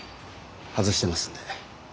外してますんで。